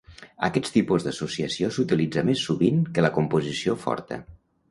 Aquest tipus d'associació s’utilitza més sovint que la composició forta.